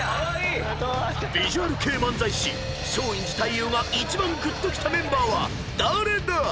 ［ヴィジュアル系漫才師松陰寺太勇が一番ぐっときたメンバーは誰だ⁉］